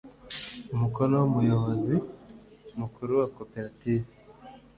umukono w’umuyobozi mukuru wa coperative